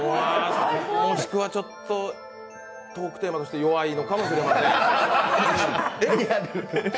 もしくはちょっとトークテーマとして弱いのかもしれません。